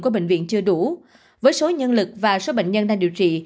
của bệnh viện chưa đủ với số nhân lực và số bệnh nhân đang điều trị